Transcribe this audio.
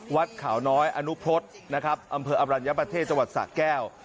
วัดขาวน้อยอนุพรตอำเภออับรัญญาประเทศจสะแก้ว